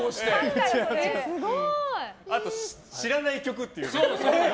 あと、知らない曲というね。